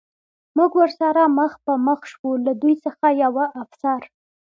موږ ورسره مخ په مخ شو، له دوی څخه یوه افسر.